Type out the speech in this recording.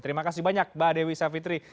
terima kasih banyak mbak dewi savitri